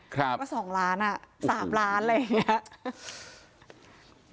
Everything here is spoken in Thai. ก็๒ล้านอ่ะ๓ล้านอะไรอย่างนี้